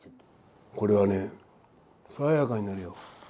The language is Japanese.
これはね、爽やかになるよ。